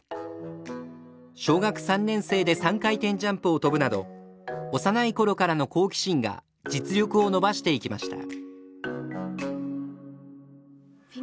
小学３年生で３回転ジャンプを跳ぶなど幼い頃からの好奇心が実力を伸ばしていきました。